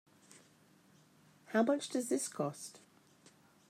How much does this cost?